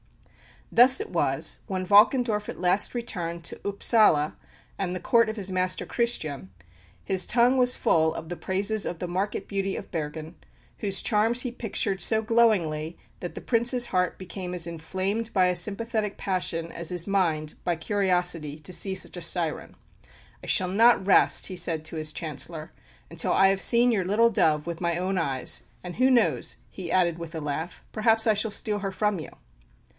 Thus it was that, when Valkendorf at last returned to Upsala and the Court of his master, Christian, his tongue was full of the praises of the "market beauty" of Bergen, whose charms he pictured so glowingly that the Prince's heart became as inflamed by a sympathetic passion as his mind by curiosity to see such a siren. "I shall not rest," he said to his Chancellor, "until I have seen your 'little dove' with my own eyes; and who knows," he added with a laugh, "perhaps I shall steal her from you!"